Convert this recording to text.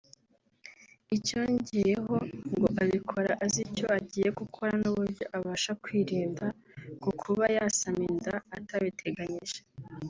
icyongeyeho ngo abikora azi icyo agiye gukora n’uburyo abasha kwirinda ku kuba yasama inda atabiteganyije